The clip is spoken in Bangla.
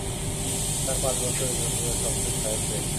তাঁর পাঁচ বছরের জুনিয়র শমসের সাহেব পেয়েছেন।